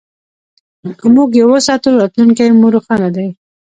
که موږ یې وساتو، راتلونکی مو روښانه دی.